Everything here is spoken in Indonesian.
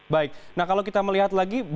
baik nah kalau kita melihat lagi